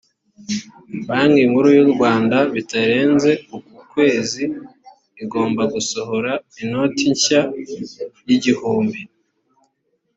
banki nkuru yu rwanda bitarenze uk’ukwezi igomba gusohora inoti shya y’ igihumbi